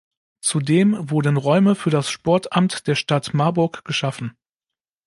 Zudem wurden Räume für das Sportamt der Stadt Marburg geschaffen.